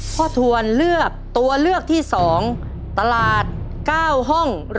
พ่อทวนเลือกตัวเลือกที่๒ตลาดเก้าห้อง